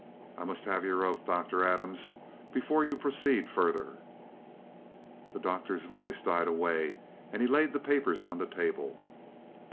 I must have your oath, Dr. Adams, before you proceed further.'" The Doctor's voice died away, and he laid the papers on the table.